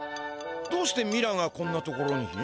どうしてミラがこんな所に？